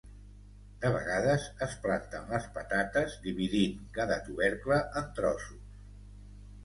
De vegades es planten les patates dividint cada tubercle en trossos.